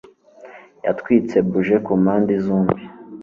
Yatwitse buji ku mpande zombi.